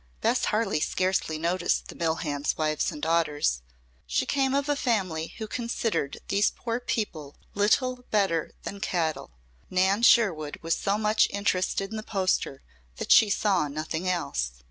Bess Harley scarcely noticed the mill hands' wives and daughters. She came of a family who considered these poor people little better than cattle. Nan Sherwood was so much interested in the poster that she saw nothing else.